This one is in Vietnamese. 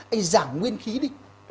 ê giảm nguyên khí đi